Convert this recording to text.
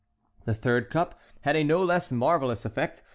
The third cup had a no less marvellous effect.